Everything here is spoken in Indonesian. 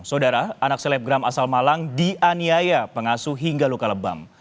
saudara anak selebgram asal malang dianiaya pengasuh hingga luka lebam